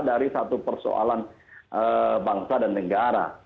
dari satu persoalan bangsa dan negara